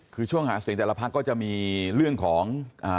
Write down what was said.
คือช่วงหาเสียงแต่ละพักก็จะมีเรื่องของ